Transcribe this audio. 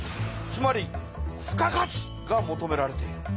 つまり付加価値が求められている。